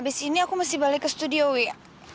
abis ini aku masih balik ke studio wih